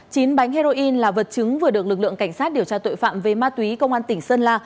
chín bánh heroin là vật chứng vừa được lực lượng cảnh sát điều tra tội phạm về ma túy công an tỉnh sơn la